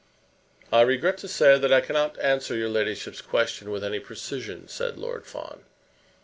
"I regret to say that I cannot answer your ladyship's question with any precision," said Lord Fawn.